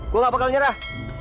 gue nggak bakal nyerah